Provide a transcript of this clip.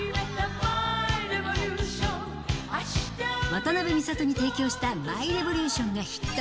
渡辺美里に提供したＭｙＲｅｖｏｌｕｔｉｏｎがヒット。